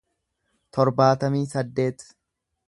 torbaatamii saddeet